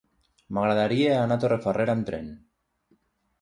M'agradaria anar a Torrefarrera amb tren.